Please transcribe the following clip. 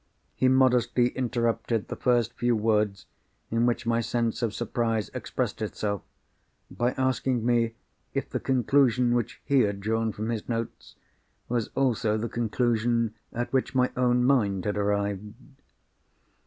He modestly interrupted the first few words in which my sense of surprise expressed itself, by asking me if the conclusion which he had drawn from his notes was also the conclusion at which my own mind had arrived.